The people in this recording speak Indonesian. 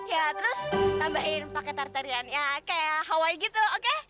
ya terus tambahin pakai tari tarian ya kayak hawaii gitu oke